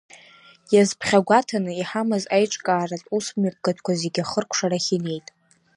Иазԥхьагәаҭаны иҳамаз аиҿкааратә усмҩаԥгатәқәа зегьы ахыркәшарахь инеит.